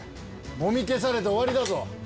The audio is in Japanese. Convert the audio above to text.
もみ消されて終わりだぞ。